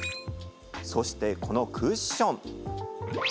そして、このクッション。